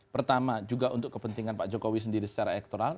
pertama juga untuk kepentingan pak jokowi sendiri secara elektoral